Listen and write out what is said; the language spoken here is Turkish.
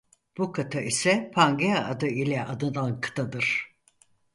Bu kıta ise Pangea adı ile anılan kıtadır.